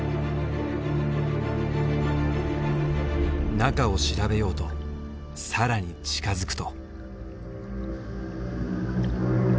中を調べようと更に近づくと。